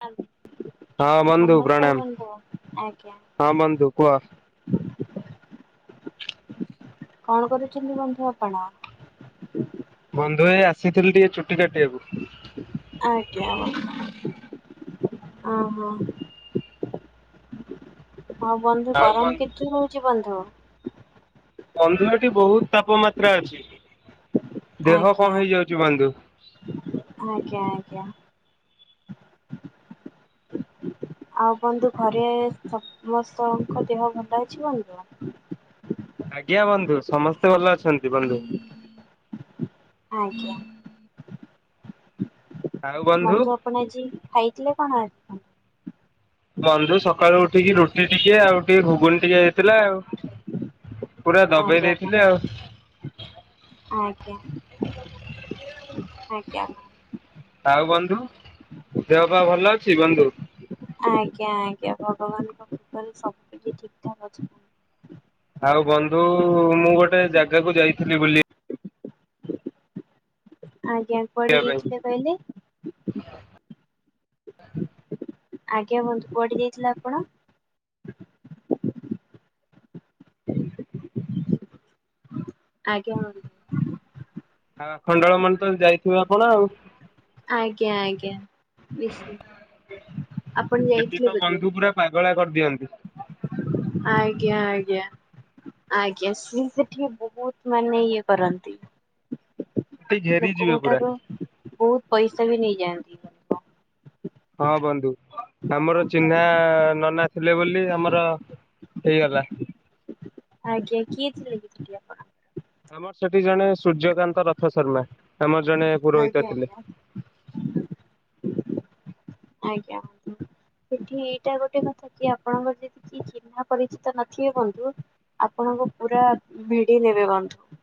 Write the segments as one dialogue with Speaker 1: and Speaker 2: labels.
Speaker 1: ହଁ [inaudible]
Speaker 2: ହଁ ବନ୍ଧୁ ପ୍ରଣାମ
Speaker 1: ଆଜ୍ଞା
Speaker 2: ହଁ ବନ୍ଧୁ କୁହ।
Speaker 1: କଣ କରୁଛନ୍ତି ବନ୍ଧୁ ଆପଣ?
Speaker 2: ବନ୍ଧୁରେ ଆସି ଥିଲି ଟିକେ ଚୁଟି କାଟିବାକୁ।
Speaker 1: ହ ହୋ। ହଁ ବନ୍ଧୁ
Speaker 2: ଆଉ
Speaker 1: ଗରମ
Speaker 2: ବନ୍ଧୁ
Speaker 1: କେତେ ହଉଛି ବନ୍ଧୁ?
Speaker 2: ବନ୍ଧୁର ଟି ବହୁତ ତାପମାତ୍ରା ଅଛି। ଦେହ କଣ
Speaker 1: ଆଜ୍ଞା
Speaker 2: ହେଇଯାଉଛି ବନ୍ଧୁ।
Speaker 1: ଆଜ୍ଞା ଆଜ୍ଞା। ଆଉ ବନ୍ଧୁ ଘରେ ସମସ୍ତଙ୍କ ଦେହ ଭଲ ଅଛି ବନ୍ଧୁ?
Speaker 2: ଆଜ୍ଞା ବନ୍ଧୁ ସମସ୍ତେ ଭଲ ଅଛନ୍ତି ବନ୍ଧୁ।
Speaker 1: ଆଜ୍ଞା। ବନ୍ଧୁ ଆପଣ ଆଜି ଖାଇଥିଲେ କଣ? ହଁ [inaudible]
Speaker 2: ବନ୍ଧୁ ସକାଳୁ ଉଠିକି ରୁଟି ଟିକେ ଆଉ ଟିକେ ଘୁଗୁନୀ ଟିକେ ହେଇଥିଲା ଆଉ। ପୁରା ଦବେଇ
Speaker 1: ଆଜ୍ଞା
Speaker 2: ଦେଇଥିଲେି
Speaker 1: ବନ୍ଧୁ।
Speaker 2: ଆଉ।
Speaker 1: ଆଜ୍ଞା। ଆଜ୍ଞା।
Speaker 2: ଆଉ ବନ୍ଧୁ ଦେହ ପାହ ଭଲ ଅଛି ବନ୍ଧୁ।
Speaker 1: ଆଜ୍ଞା ଆଜ୍ଞା ଭଗବାନଙ୍କ କୃପାାରେ ସବୁକ ଠିକ ଠାକ ଅଛି।
Speaker 2: ଆଉ ବନ୍ଧୁ ମୁଁ ଗୋଟେ ଜାଗାକୁ ଯାଇଥିଲି ବୁଲି?
Speaker 1: ହ [inaudible] ଆଜ୍ଞା କୁଆଡେ
Speaker 2: ପାଇଁ।
Speaker 1: ଯାଇାଥିଲେ କହିଲେ? ଆଜ୍ଞା ବଂଧୁ କୁଆଠି ଦେଇଥିଲେ ଆପଣ? ଆଜ୍ଞ ହଁ।
Speaker 2: ଆଉ ଆଖଣ୍ଡଳମଣୀ ତ ଯାଇଥିବେ ଆପଣ ଆଉ।
Speaker 1: ଆଜ୍ଞା ଆଜ୍ଞା। ନିଶ୍ଚିତ ଆପଣ ଯାଇଥିଲେ ବୋଧେ?
Speaker 2: ଗଳା କରିଦିଅନ୍ତି।
Speaker 1: ଆଜ୍ଞା ଆଜ୍ଞା ଆଜ୍ଞା ସ ସେଠି ବହୁତ ମାନେ ଇଏ କରନ୍ତି।
Speaker 2: ଟି ଘେରିଯିବେ
Speaker 1: ଲୋକଙ୍କ
Speaker 2: ପୁରା
Speaker 1: ଠାରୁ ବହୁତ ପଇସା ବି ନେଇଛି। ନ୍ତି [inaudible]
Speaker 2: ହଁ ବନ୍ଧୁ। ଆମର ଚିହ୍ନ। ନନା ଥିଲେ ବୋଲି ଆମର ହେଇଗଲା।
Speaker 1: ଆଜ୍ଞା କିଏ ଥିଲା କି ଆପଣ।
Speaker 2: ଆମର ସେଠି ଜଣେ ସୂର୍ଯ୍ୟକାନ୍ତ ରଥ ଶର୍ମା। ଆମର ଜଣେ ପୁରୋହିତ
Speaker 1: ଆଜ୍ଞା
Speaker 2: ଥିଲେ।
Speaker 1: ଆଜ୍ଞା ଆଜ୍ଞା ହୁନ୍ତୁ ସେଠି ଏଇଟା ଗୋଟେ କଥା କି ଆପଣଙ୍କର ଯଦି କି ଚିହ୍ନା ପରିଚିତ ନଥିବେ ବଂଧୁ ଆପଣଙ୍କୁ ପୁରା ଭିଡି ନେବେ ବଂଧୁ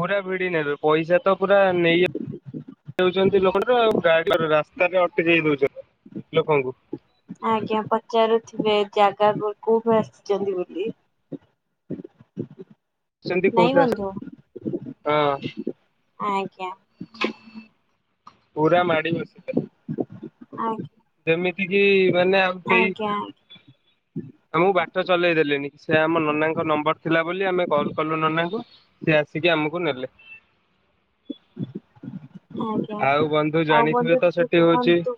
Speaker 2: ପୁରା ଭିଡ଼ି ନ ପଇସା ତ ପୁରା ନେଇ ଯଉଛନ୍ତି ଲୋକ ତ ଆଉ ଗାଡି ରାସ୍ତାରେ ଅଟକ ଯାଇ ଦଉଛ
Speaker 1: ଆଜ୍ଞା ପଚାରୁଥିବେ। ଜାଗା କୋଉଠି ଆସିଛନ୍ତି ବୋଲି
Speaker 2: ସନ୍ଧୀ
Speaker 1: ନାଇଁ
Speaker 2: କଠରେ
Speaker 1: ବନ୍ଧୁ
Speaker 2: ହଁ
Speaker 1: ଆଜ୍ଞା।
Speaker 2: ପୁରା ମାଡି ବସିଥିଲ
Speaker 1: ଆଜ୍ଞା
Speaker 2: ଯେମିତି କିି ମାନେ ଆଉ କେହି
Speaker 1: ଆଜ୍ଞା।
Speaker 2: ଆମକୁ ବା ଚଲେଇ ଦେଲେଣିି ସେ ଆମ ନନାଙ୍କ ନମ୍ବର ଥିଲା ବୋଲି ଆମେ କଲ କଲୁ ନନାଙ୍କୁ ସେି ଆସିକି ଆମକୁ ନେଲେ
Speaker 1: ହ
Speaker 2: ଆଉ
Speaker 1: ଆଜ୍ଞା
Speaker 2: ବନ୍ଧୁ
Speaker 1: ଆଉ
Speaker 2: ଜାଣିଥିବେ
Speaker 1: ବଂଧୁ
Speaker 2: ତ
Speaker 1: ଟିକେ
Speaker 2: ସେଠି ହଉଛି
Speaker 1: କୁହନ୍ତୁ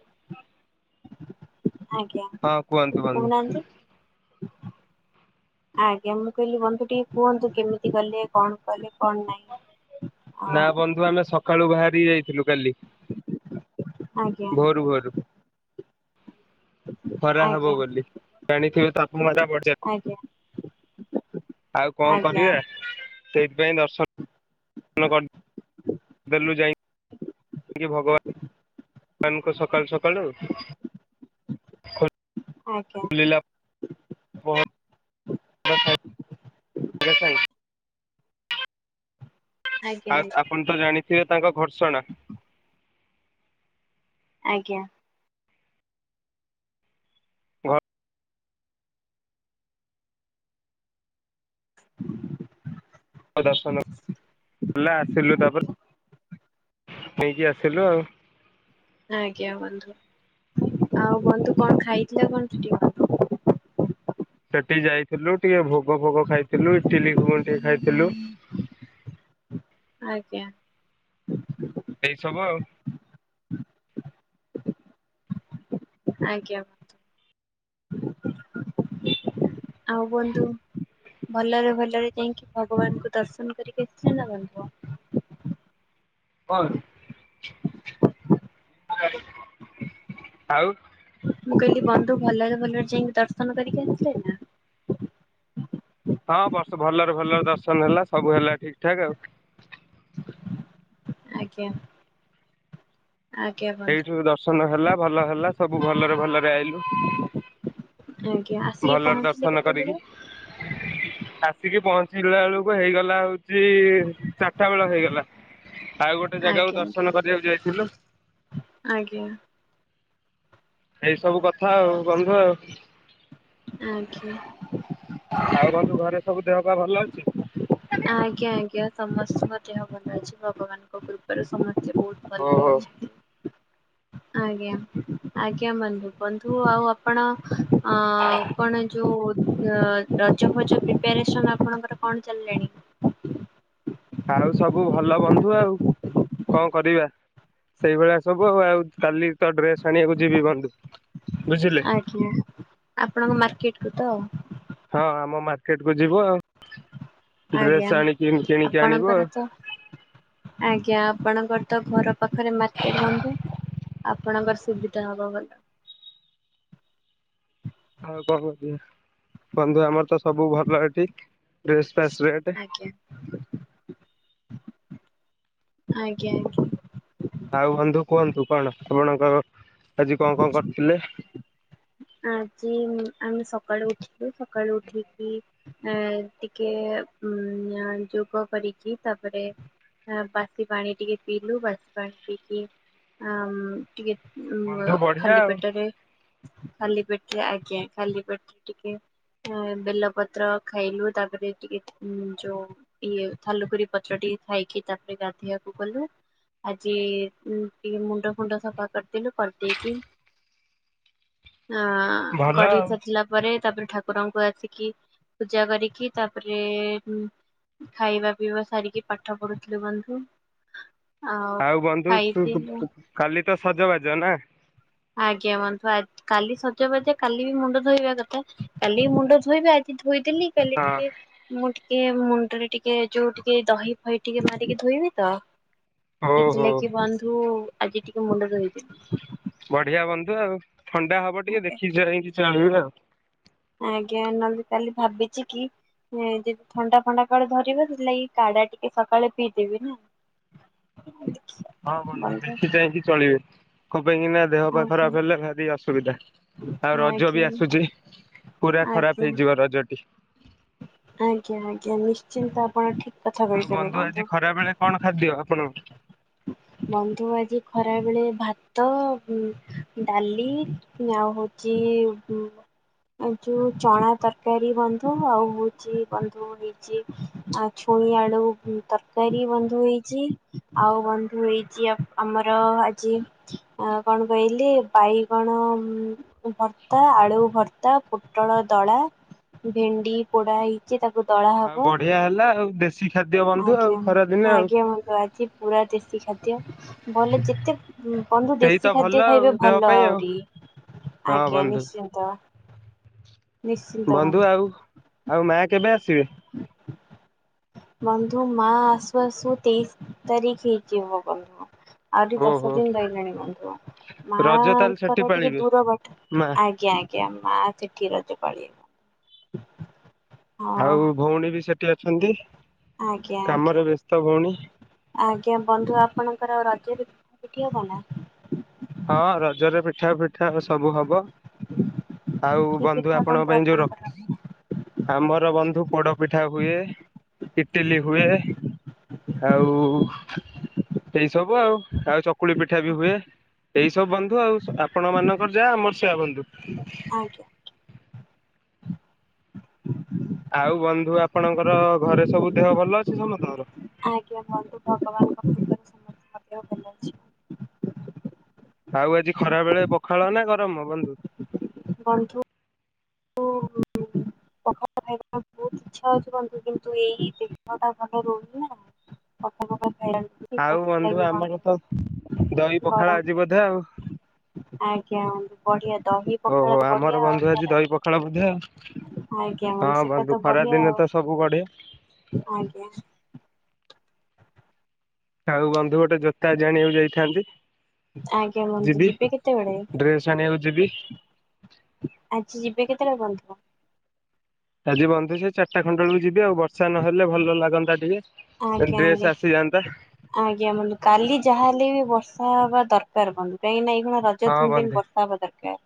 Speaker 1: ଆଜ୍ଞା
Speaker 2: ହଁ କୁହନ୍ତୁ ବନ୍ଧୁ
Speaker 1: କହୁନାହାନ୍ତି। ଆଜ୍ଞା ମୁଁ କହିଲି ବନ୍ଧୁ ଟିକେ କୁହନ୍ତୁ କେମିତି ଗଲେ କଣ କଲେ କଣ ନାହିଁ।
Speaker 2: ନା
Speaker 1: ଆଉ
Speaker 2: ବନ୍ଧୁ ଆମେ ସ ସକାଳୁ ବାହାରି ଯାଇଥିଲୁ କାଲି।
Speaker 1: ହଁ। ଆଜ୍ଞା।
Speaker 2: ଭୋରୁ ଭୋରୁ ଖରା ହବ
Speaker 1: ଆଜ୍ଞା
Speaker 2: ବୋଲି ଜଣିଥିବେ ତାକୁ ମଜା ପଡିଯ
Speaker 1: ଆଜ୍ଞା
Speaker 2: ଆଉ କଣ
Speaker 1: ଆଜ୍ଞା
Speaker 2: କରିବା? ସେ ପାଇଁ ଦର୍ଶନ। ଦେଲୁ ଯାଇ ଭଗବାନଙ୍କୁ ଖୋଲ
Speaker 1: ଆଜ୍ଞା।
Speaker 2: ଲିଲା। ଆ ଆଶାଇ [unintelligible]
Speaker 1: ଆଜ୍ଞା
Speaker 2: ଆଉ ଆପଣ ତ ଜାଣିଥିବେ ତାଙ୍କ ଘର୍ଷଣା।
Speaker 1: ଆଜ୍ଞା।
Speaker 2: ଘ ଦର୍ଶନ ହେଲା ଆସିଲୁ ତାପରେ ଦେଇକି ଆସିଲୁ ଆଉ
Speaker 1: ଆଜ୍ଞା ବନ୍ଧୁ ଆଉ ବନ୍ଧୁ କଣ ଖାଇଥିଲା କଣ [unintelligible]
Speaker 2: ସେଠି ଯାଇଥିଲୁ ଟିକେ ଭୋଗ ଫୋଗ ଖାଇଥିଲୁ ଇଟିଲି ଘୁଗୁନି ଟିକେ ଖାଇଥିଲୁ।
Speaker 1: ଆଜ୍ଞା।
Speaker 2: ଏଇସବୁ ଆଉ।
Speaker 1: ଆଜ୍ଞା। ଆଉ ବନ୍ଧୁ ଭଲରେ ଭଲରେ ଯାଇଁକି ଭଗବାନକୁ ଦର୍ଶନ କରିକି ଆସିଲେ ନା ବନ୍ଧୁ?
Speaker 2: କନ୍ ଆଉ
Speaker 1: ମୁଁ କହିଲି ବନ୍ଧୁ ଭଲରେ ଭଲରେ ଯାଇଁକି ଦର୍ଶନ କରିକି ଆସିଲେ ନାଁ?
Speaker 2: ତ ଭଲରେ ଭଲ ଦର୍ଶନ ହେଲା ସବୁ ହେଲା ଠିକ ଠାକ ଆଉ
Speaker 1: ଆଜ୍ଞା। ଆଜ୍ଞା ବନ୍ଧୁ।
Speaker 2: ସେଇଠୁ ଦର୍ଶନ ହେଲା ଭଲ ହେଲା ସବୁ ଭଲରେ ଭଲରେ ଆଇଲୁ।
Speaker 1: ଆଜ୍ଞା ଆସିକି
Speaker 2: ଭଲରେ
Speaker 1: ପହଞ୍ଚିଲେ
Speaker 2: ଦର୍ଶନ କରିକି
Speaker 1: କେତେବେଳେ?
Speaker 2: ସିକି ପହଞ୍ଚିିଲା ଅଳୁକୁ ହେଇଗଲା ହୋଉ ଚି ଚାରିଟା ବେଳ ହେଇଗଲା। ଆଉ ଗୋଟେ ଜାଗାକୁ
Speaker 1: ଆଜ୍ଞା
Speaker 2: ଦର୍ଶନ କରିବାକୁ ଯାଇଥିଲୁ।
Speaker 1: ଆଜ୍ଞା ଆଜ୍ଞା
Speaker 2: ଏଇ ସବୁ କଥା ଆଉ ବନ୍ଧୁ ଆଉ।
Speaker 1: ଆଜ୍ଞା।
Speaker 2: ଆଉ ବନ୍ଧୁ ଘରେ ସବୁ ଦେହ ପା ଭଲ ଅଛି?
Speaker 1: ଆଜ୍ଞା ଆଜ୍ଞା ସମସ୍ତଙ୍କ ଦେହ ଭଲ ଅଛି ଭଗବାନଙ୍କ କୃପାରୁ ସମସ୍ ସେ ବୋହୁତ ଭଲରେ
Speaker 2: ଓହୋ
Speaker 1: ଅଛନ୍ତି। ଆଜ୍ଞା ଆଜ୍ଞା ବନ୍ଧୁ ବନ୍ଧୁ ଆଉ ଆପଣ ଅଁ କଣ ଯୋଉ ର ରଜ ଫଜ ପ୍ରିପାରେସନ ଆପଣଙ୍କର କଣ ଚାଲିଲାଣି?
Speaker 2: ଆଉ ସବୁ ଭଲ ବନ୍ଧୁ ଆଉ କଁ କରିବା ସେଇଭଳିଆ ସବୁ ଆଉ ଆଉ କାଲି ତ ଡ୍ରେସ ଆଣିବାକୁ ଯିବି ବନ୍ଧୁ। ବୁଝିଲେ
Speaker 1: ଆଜ୍ଞା ଆପଣଙ୍କ ମାର୍କେଟ ତ
Speaker 2: କେଟକୁ ଯିବ ଆଉ।
Speaker 1: ଆଜ୍ଞା
Speaker 2: ଡ୍ରେସ ଆଣିକି କିଣିକି ଆଣିବ
Speaker 1: ଆପଣଙ୍କର ତ ଆଜ୍ଞା। ଆପଣଙ୍କର ତ ଘର ପାଖରେ ମାର୍କେଟ ବନ୍ଧୁ। ଆପଣଙ୍କର ସୁବିଧା ହବ ଭଲ‌।
Speaker 2: ଆଉ କଣ [unintelligible] ବନ୍ଧୁ ଆମର ତୋର ସବୁ ଭଲ ହେଠି ଡ୍ରେସ ଫେସ ରେଟ୍।
Speaker 1: ଆଜ୍ଞା ଆଜ୍ଞା।
Speaker 2: ଆଉ ବନ୍ଧୁ କୁହନ୍ତୁ କଣ ଆପଣଙ୍କର ଆଜି କଣ କଣ କରିଥିଲେ?
Speaker 1: ଆଜି ଆମେ ସକାଳୁ ଉଠି ସକାଳୁ ଉଠିକି ଆ ଟିକେ ଉ ଯୋଗ କରିକି ତାପରେ ବାସି ପାଣି ଟିକେ ପିଇଲୁ ବାସି ପାଣି ପିଇକି ଆ-
Speaker 2: ବନ୍ଧୁ
Speaker 1: ଟିକେ
Speaker 2: ବଢିଆ
Speaker 1: ଖାଲି
Speaker 2: ଆଉ
Speaker 1: ପେଟରେ ଖାଲି ପେଟରେ ଆଜ୍ଞା ଖାଲି ପେଟରେ ଟିକେ ବେଲ ପତ୍ର ଖାଇଲୁ। ତାପରେ ଟିକେ ଯୋଉ ଇଏ ଥାଲୁକୁରି ପତ୍ର ଟିକେ ଖାଇକି ତାପରେ ଗାଧେଇବାକୁ ଗଲୁ। ଆଜି ଟିକେ ମୁଣ୍ଡ ଫୁଣ୍ଡ ସଫା କରିଦେଲୁ। କରିଦେଇକି ଅ
Speaker 2: ଭଲ
Speaker 1: କରି
Speaker 2: ଆଉ।
Speaker 1: ସାରିଲା ପରେ ତାପରେ ଠାକୁରଙ୍କୁ ଆସିକି ପୂଜା କରିକି ତାପରେ ଖାଇବା ପିଇବା ସାରିକି ପାଠ ପଢୁଥିଲୁ ବନ୍ଧୁ।
Speaker 2: ଆଉ ବନ୍ଧୁ
Speaker 1: ଖାଇଥିଲୁ
Speaker 2: କାଲି ତ ସଜବାଜ ନା।
Speaker 1: ଆଜ୍ଞା ବନ୍ତୁ କାଲି ସଜବାଜ କାଲି ବି ମୁଣ୍ଡ ଧୋଇବା କଥା କାଲି ବି ମୁଣ୍ଡ ଧୋଇବା। ଆଜି ହୋଇଥିଲି କାଲି
Speaker 2: ହଁ
Speaker 1: ଟିକେ ମୁଁ ଟିକେ ମୁଣ୍ଡରେ ଟିକେ ଯୋଉ ଟିକେ ଦହି ଫହି ଟିକେ ମାରିକି ଧୋଇବେ ତ।
Speaker 2: ହଉ ହଉ।
Speaker 1: ସେଥିଲାକିି ବନ୍ଧୁ। ଆଜି ଟିକେ ମୁଣ୍ଡ ଧୋଇଥିଲି।
Speaker 2: ବଢିଆ ବନଧୁ ଆଉ। ଥଣ୍ଡା ହବ ଟିକେ ଦେଖି ଯାଇକି। [unintelligible]
Speaker 1: ଆଜ୍ଞା ନହେଲେ କାଲି ଭାବିଚି କି ଯଦି ଥଣ୍ଡା ଫଣ୍ଡା କାଳେ ଧରିବ। ସେଥିଲାଗି କାଡା ଟିକେ ସକାଳେ ପିଇଦେବି ନା।
Speaker 2: ହଁ ବନ୍ଧୁ ଦେଖି ଚାହିଁକି ଚଳିବେ। ପାଇଁକିନା ଦେହ ପା
Speaker 1: ଆଜ୍ଞା
Speaker 2: ଖରାପ ହେଲେ ଭାରି ଅସୁବିଧା। ଆଉ ରଜ
Speaker 1: ଆଜ୍ଞା।
Speaker 2: ବି ଆସୁଛି। ପୁରା
Speaker 1: ଆଜ୍ଞା
Speaker 2: ଖରାପ ହେଇଯିବ ରଜ। କି
Speaker 1: ଆଜ୍ଞା ଆଜ୍ଞା ନିଶ୍ଚିନ୍ତ ଆପଣ ଠିକ୍
Speaker 2: ଆଉ ବନ୍ଧୁ ଆଜି ଖରାବେଳେ କଣ ଖାଦ୍ୟ। ଆପଣ
Speaker 1: ବନ୍ଧୁ ଆଜି ଖରା ବେଳେ ଭାତ ଉ ଡାଲି ଆଉ ହଉଛି ଉ ଏ ଯୋଉ ଚଣା ତରକାରୀ ବନ୍ଧୁ। ଆଉ ହଉଛି ବନ୍ଧୁ ନିଛି ଛୁଇଁ ଆଳୁ ତରକାରୀ ବନ୍ଧୁ ହେଇଛି। ଆଉ ବନ୍ଧୁ ହେଇଛି ଆମର ଆଜି କଣ କହିଲେ ବାଇଗଣ ଭର୍ତ୍ତା ଆଳୁ ଭର୍ତ୍ତା ପୋଟଳ ଦଳା ଭେଣ୍ଡି ପୋଡା ହେଇଛି। ତାକୁ ଦଳା ହବ
Speaker 2: ଆଉ ବଢିଆ ହେଲା ଆଉ। ଦେଶୀ ଖ
Speaker 1: ଆଜ୍ଞା ଆଜ୍ଞା ବନ୍ଧୁ ଆଜି ପୁରା ଦେଶୀ ଖାଦ୍ୟ। ଭଲ ଯେତେ ବନ୍ଧୁ
Speaker 2: ସେଇ ତ
Speaker 1: ଦେଶୀ
Speaker 2: ଭଲ
Speaker 1: ଖାଦ୍ୟ
Speaker 2: ଆଉ
Speaker 1: ଖାଇବେ
Speaker 2: ଦେହ
Speaker 1: ଭଲ
Speaker 2: ପାଇଁ ଆଉ
Speaker 1: ଆହୁରି।
Speaker 2: ହଁ
Speaker 1: ଆଜ୍ଞା
Speaker 2: ବନ୍ଧୁ
Speaker 1: ନିଶ୍ଚିନ୍ତ।
Speaker 2: ବନ୍ଧୁ ଆଉ ଆଉ ମା କେବେ ଆସିବେ।
Speaker 1: ବନ୍ଧୁ ମା ଆସୁ ଆସୁ ତେଇଶି ତାରିଖ ହେଇଯିବ ବନ୍ଧୁ। ଆହୁରିିକ ଦଶ
Speaker 2: ଓହୋ
Speaker 1: ଦିନ ରହିଲାଣି ବନ୍ଧୁ।
Speaker 2: ରଜ ତାହେଲେ ସେଠି
Speaker 1: ମାଙ୍କର ଟିକେ
Speaker 2: ପାଳିବେ
Speaker 1: ଦୂର ବଟ
Speaker 2: ମା
Speaker 1: ଆଜ୍ଞା ଆଜ୍ଞା। ମା ସେ କିରା [unintelligible]
Speaker 2: ଆଉ ଭଉଣୀ ବି ସେଠି। ଛନ୍ତିି।
Speaker 1: ଆଜ୍ଞା ଆଜ୍ଞା ଆଜ୍ଞା ବନ୍ଧୁ ଆପଣଙ୍କର ଆଉ ରଜରେ ଠିକ କନା।
Speaker 2: ହଁ ରଜରେ ପିଠା ପିଠା ସବୁ ହବ। ଆଉ
Speaker 1: କି
Speaker 2: ବନ୍ଧୁ
Speaker 1: ପିଠା
Speaker 2: ଆପଣଙ୍କ ପାଇଁ ଯୋଉ ର
Speaker 1: ଆପଣଙ୍କର
Speaker 2: ଆମର ବନ୍ଧୁ ପୋଡ଼ ପିଠା ହୁଏ। ଇଟିଲି ହୁଏ ଆଉ ଏଇ ସବୁ ଆଉ ଆଉ ଚକୁଳି ପିଠା ବି ହୁଏ। ଏଇ ସବୁ ବନ୍ଧୁ ଆଉ ଆପଣ ମାନଙ୍କର ଯା ଆମର ସେଇଆ ବନ୍ଧୁ।
Speaker 1: ଆଜ୍ଞା
Speaker 2: ଆଉ ବନ୍ଧୁ ଆପଣଙ୍କର ଘରେ ସବୁ ଦେହ ଭଲ ଅଛି ସମସ୍ତଙ୍କର।
Speaker 1: ବନ୍ଧୁ ଭଗବାନଙ୍କ କୃପାରୁ ଆଜ୍ଞା ଭଲ ଅଛି।
Speaker 2: ଆଉ ଆଜି ଖରା ବେଳେ ପଖାଳ ନା ଗରମ ବ
Speaker 1: ବନ୍ଧୁ। ଖ ପଖାଳ ଖାଇବା ବହୁତ ଇଚ୍ଛା ଅଛିୁ କିନ୍ତୁ ଏଇ ଦେହଟା ଭଲ ରହୁହନ ନା କଫ
Speaker 2: ଆଉ ବନ୍ଧୁ ଆମର ତ ଦହି ପଖାଳ ଆଜି
Speaker 1: ଗରମ
Speaker 2: ବୋଧେ ଆଉ
Speaker 1: ଆଜ୍ଞା ବନ୍ଧୁ ବଢିଆ ଦହି ପଖାଳ
Speaker 2: ଓହୋ ଆମର
Speaker 1: ବଢିଆ ଆଉ
Speaker 2: ବନ୍ଧୁ ଆଜି
Speaker 1: ଖରାପ
Speaker 2: ଦହି ପଖ ପଖାଳ ବୋଧେ
Speaker 1: ଆଜ୍ଞା
Speaker 2: ହଁ
Speaker 1: ସେଟା
Speaker 2: ବନ୍ଧୁ
Speaker 1: ତ
Speaker 2: ଖରା
Speaker 1: ବଢିଆ
Speaker 2: ଦିନେ
Speaker 1: ଆଉ
Speaker 2: ତ ସବୁ ବଢ଼େ।
Speaker 1: ଆଜ୍ଞା
Speaker 2: ଆଉ ବନ୍ଧୁ ଜୋତା ଜାଣିବାକୁ ଯାଇଥାନ୍ତି
Speaker 1: ଆଜ୍ଞା ବନ୍ଧୁ
Speaker 2: ଯିବି
Speaker 1: ଯିବେ କେତେବେଳେ
Speaker 2: ଡ୍ରେସ୍ ଆଣିବାକୁ ଯିବି।
Speaker 1: ଆଜି ଯିବେ [unintelligible]
Speaker 2: ଆଜି ବନ୍ଧୁ ସେ ଚାରିଟା ଖଣ୍ଡେ ବେଳକୁ ଯିବି ଆଉ ବର୍ଷା ନହେଲେ ଭଲ ଲାଗନ୍ତା ଟିକେ।
Speaker 1: ଆଜ୍ଞା
Speaker 2: ଡ୍ରେସ
Speaker 1: ଆଜ୍ଞା
Speaker 2: ଆସିଯାନ୍ତା
Speaker 1: ଆଜ୍ଞା ବନ୍ଧୁ କାଲି ଯାହାହେଲେ ବି ବ ବର୍ଷା ହବା ଦରକାର ବନ୍ଧୁ କାହିଁ ନା ଇ ରଜ
Speaker 2: ହଁ
Speaker 1: ତିନି ଦିନ୍
Speaker 2: ବନ୍ଧୁ।
Speaker 1: ବର୍ଷା ହବା ଦରକାର।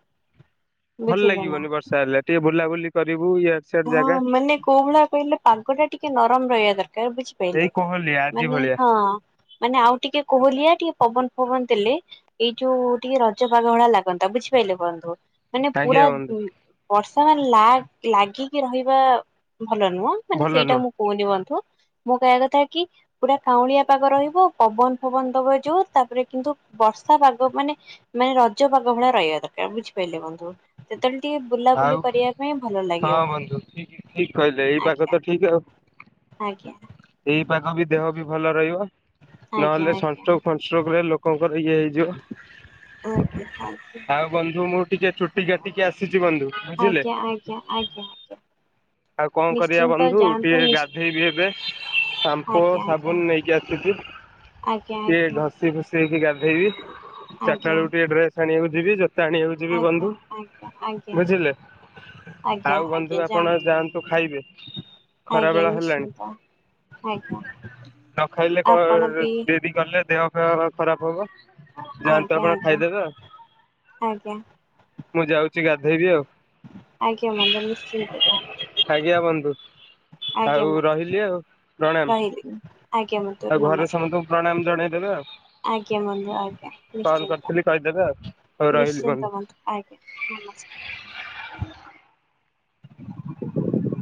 Speaker 2: ଭଲ
Speaker 1: ବୁଝିଲେ ନା
Speaker 2: ଲାଗିବନି ବର୍ଷା ହେଲେ ଟିକେ ବୁଲା ବୁଲି କରିବୁ ଇଆଡେ ସିଆଡେ
Speaker 1: ହଁ
Speaker 2: ଜାଗା।
Speaker 1: ମାନେ କୋଉ ଭଳିଆ କହିଲେ ପାଗ ଟା ଟିକେ ନରମ ରହିବା ଦରକାର
Speaker 2: ଏଇ
Speaker 1: ବୁଝିପାରିଲେ
Speaker 2: କୋହଲିଆ ଆଜି
Speaker 1: ମାନେ
Speaker 2: ଭଳିଆ
Speaker 1: ହଁ ମାନେ ଆଉ ଟିକେ କୋହଲିଆ ଟିକେ ପବନ ଫବନ ଦେଲେ ଏଇ ଯୋଉ ଟିକେ ରଜ ପାଗ ଭଳି ଲାଗନ୍ତା ବୁଝିପାଇଲେ ବନ୍ଧୁ। ମାନେ
Speaker 2: ଆଜ୍ଞା
Speaker 1: ପୁରା
Speaker 2: ବନ୍ଧୁ
Speaker 1: ବର୍ଷା ମାନେ ଲା ଲାଗି ରହିବା- ଭଲ ନୁହଁ ମାନେ
Speaker 2: ଭଲ
Speaker 1: ସେଇଟା
Speaker 2: ନୁହଁ।
Speaker 1: ମୁଁ କହୁନି ବନ୍ଧୁ। ମୁଁ କହିବା କଥା କି ପୁରା କାଉଁଳିଆ ପାଗ ରହିବ ପବନ ଫବନ ଦବ ଯୋଉ ତାପରେ କିନ୍ତୁ ବର୍ଷା ପାଗ ମାନେ ମାନେ ରଜ ପାଗ ଭଳିଆ ରହିବା ଦରକାର ବୁଝିପାଇଲେ ବନ୍ଧୁ ସେତେବେଳେ ଟିକେ ବୁଲାବୁଲି କରିବା ପାଇଁ ଭଲ ଲାଗିବ।
Speaker 2: [unintelligible] ଠିକ୍ କହିଲେ ଏଇ ପାାଗ
Speaker 1: ଆଜ୍ଞା
Speaker 2: ତ ଠିକ୍ ଆଉ
Speaker 1: ଆଜ୍ଞା
Speaker 2: ଏଇ ପାଗ ବି ଦେହ ବି ଭଲ ରହିବ। ନ
Speaker 1: ଆଜ୍ଞା
Speaker 2: ହେଲେ
Speaker 1: ଆଜ୍ଞା
Speaker 2: ସଂଷ୍ଟ୍ରୋକ୍ ଫଷ୍ଟ୍ରୋକ୍ ଲୋକ ଇଏ ହେଇଯିବ
Speaker 1: ଆଜ୍ଞା ଆଜ୍ଞା
Speaker 2: ଆଉ ବନ୍ଧୁ ମୁଁ ଟିକେ ଚୁଟି କାଟିକି ଆସେ
Speaker 1: ଆଜ୍ଞା ଆଜ୍ଞା ଆଜ୍ଞା ଆଜ୍ଞା।
Speaker 2: ଆଉ କଣ କରିବା
Speaker 1: ନିଶ୍ଚିନ୍ତ
Speaker 2: ବନ୍ଧୁ
Speaker 1: ଯାଆନ୍ତୁ
Speaker 2: ଟିକେ
Speaker 1: ନିଶ୍
Speaker 2: ଗାଧେଇ ବିି ହେବେ ସାମ୍ପୋ
Speaker 1: ଆଜ୍ଞା ଆଜ୍ଞା
Speaker 2: ସାବୁନ ନେଇକି ଆସୁଛି।
Speaker 1: ଆଜ୍ଞା
Speaker 2: ଟିକେ ଘଷି ଘୁସି ହେଇକି ଗାଧେ ଇବି। ଚାରିଟା
Speaker 1: ଆଜ୍ଞା
Speaker 2: ବେଳକୁ ଟିକେ ଡ୍ରେସ ଆଣିବାକୁ ଯିବି ଜୋତା ଆଣିବାକୁ ଯି
Speaker 1: ଆଜ୍ଞା ଆଜ୍ଞା ଆଜ୍ଞା ଆଜ୍ଞା। ଆଜ୍ଞା
Speaker 2: ଆଉ ବନ୍ଧୁ
Speaker 1: ଆଜ୍ଞା
Speaker 2: ଆପଣ
Speaker 1: ଯାଆନ୍ତୁ।
Speaker 2: ଖାଇବେ ଖରା
Speaker 1: ଆଜ୍ଞା
Speaker 2: ବେଳ ହେଲାଣି।
Speaker 1: ନିଶ୍ଚିନ୍ତ ଆଜ୍ଞା।
Speaker 2: ନ ଖାଇଲେ
Speaker 1: ଆପଣ
Speaker 2: କଣ
Speaker 1: ବି
Speaker 2: ଡେରି କଲେ ଦେହ ପା ଖରାପ ହବ। ଯାଆନ୍ତୁ
Speaker 1: ଆଜ୍ଞା
Speaker 2: ଆପଣ
Speaker 1: ଆଜ୍ଞା
Speaker 2: ଖାଇଦେବେ
Speaker 1: ଆଜ୍ଞା
Speaker 2: ମୁଁ ଯାଉଛି ଗାଧେ ଧୋଇବି ଆଉ।
Speaker 1: ଆଜ୍ଞା ବନ୍ଧୁ ନିଶ୍ଚିନ୍ତ ଯାଅ।
Speaker 2: ଆଜ୍ଞା ବନ୍ଧୁ ଆଉ ରହିଲି ଆଉ ପ୍ରଣାମ।
Speaker 1: ରହିଲି ଆଜ୍ଞା ବନ୍ଧୁ
Speaker 2: ଆଉ ଘରେ
Speaker 1: ନମସ୍କାର
Speaker 2: ସମସ୍ତଙ୍କୁ ପ୍ରଣାମ ଜଣେଇଦେବେ। ଆଉ
Speaker 1: ଆଜ୍ଞା ବନ୍ଧୁ ଆଜ୍ଞା
Speaker 2: କଲ
Speaker 1: ନିଶ୍ଚିନ୍ତ
Speaker 2: କରିଥିଲି କହିଦେବେ ଆଉ ଆଉ ରହିଲି ବନ୍ଧୁ।
Speaker 1: ନିଶ୍ଚିନ୍ତ ଆଜ୍ଞା ନମସ୍କାର
Speaker 2: [unintelligible]
Speaker 1: [unintelligible] [inaudible]